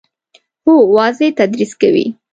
هو، واضح تدریس کوي